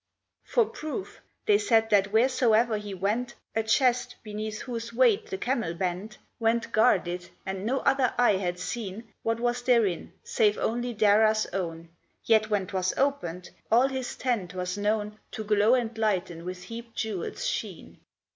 For proof, they said that whereso'er he went A chest, beneath whose weight the camel bent, Went guarded, and no other eye had seen What was therein, save only Dara's own, Yet, when 'twas opened, all his tent was known To glow and lighten with heapt jewels' sheen.